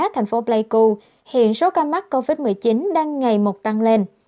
thành phố pleiku hiện số ca mắc covid một mươi chín đang ngày một tăng lên